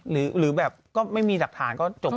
หรือแบบก็ไม่มีหลักฐานก็จบ